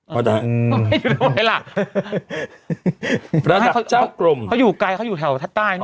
ไม่อยู่ที่ไหนล่ะพระนักเจ้ากรมเขาอยู่ไกลเขาอยู่แถวท่าใต้นี่